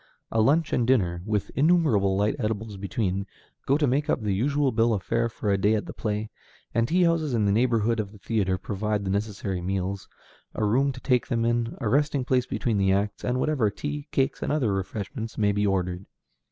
A lunch and dinner, with innumerable light edibles between, go to make up the usual bill of fare for a day at the play, and tea houses in the neighborhood of the theatre provide the necessary meals, a room to take them in, a resting place between the acts, and whatever tea, cakes, and other refreshments may be ordered.